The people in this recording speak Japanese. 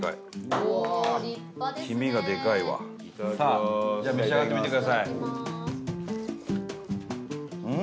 伊達：さあ召し上がってみてください。